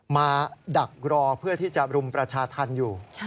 มาดักรอเพื่อที่จะรุมประชาธรรมอยู่